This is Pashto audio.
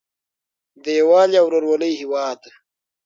د یووالي او ورورولۍ هیواد.